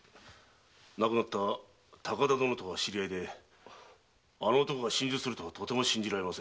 亡くなった高田殿とは知り合いであの男が心中するとはとても信じられません。